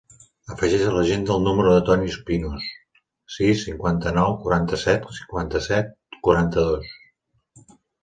Afegeix a l'agenda el número del Toni Espinos: sis, cinquanta-nou, quaranta-set, cinquanta-set, quaranta-dos.